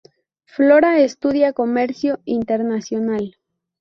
Flora estudia Comercio Internacional.